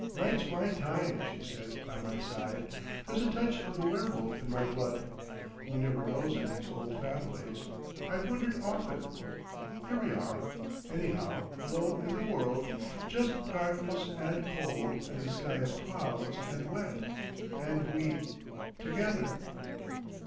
"Night's my time," she said by my side. "There's a touch of the werewolf in my blood. One never knows in these old families.... I've wondered often.... Here we are, anyhow, alone in the world. Just darkness and cold and a sky of clouds and wet. And we—together.